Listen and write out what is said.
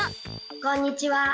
こんにちは。